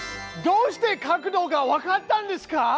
どうして角度がわかったんですか？